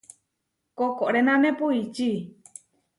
Koʼkorenane puičí.